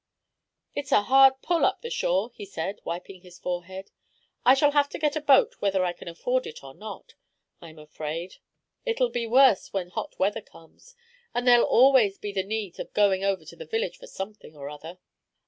"It's a hard pull up the shore," he said, wiping his forehead. "I shall have to get a boat whether I can afford it or not, I'm afraid. It'll be worse when hot weather comes, and there'll always be the need of going over to the village for something or other."